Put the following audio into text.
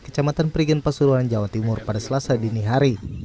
kecamatan perigen pasuruan jawa timur pada selasa dini hari